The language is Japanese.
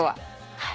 はい。